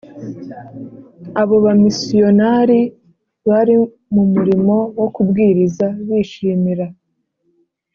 abo bamisiyonari bari mu murimo wo kubwiriza bishimira